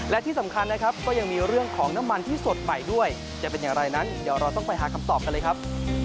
และที่สำคัญนะครับก็ยังมีเรื่องของน้ำมันที่สดใหม่ด้วยจะเป็นอย่างไรนั้นเดี๋ยวเราต้องไปหาคำตอบกันเลยครับ